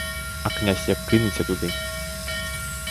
А князь як кинеться туди.